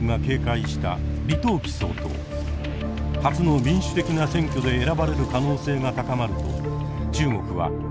初の民主的な選挙で選ばれる可能性が高まると中国は激しく反発しました。